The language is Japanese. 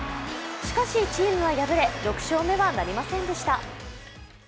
しかし、チームは敗れ６勝目はなりませんでした。